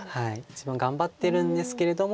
一番頑張ってるんですけれども。